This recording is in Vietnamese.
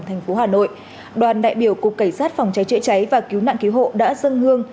thành phố hà nội đoàn đại biểu cục cảnh sát phòng cháy chữa cháy và cứu nạn cứu hộ đã dâng hương